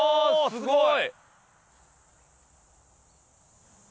すごい！